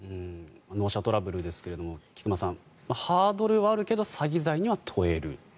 納車トラブルですが菊間さんハードルはあるけど詐欺罪には問える。